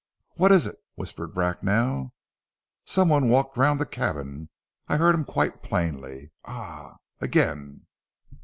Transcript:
"What is it?" whispered Bracknell. "Some one walked round the cabin. I heard him quite plainly. Ah again."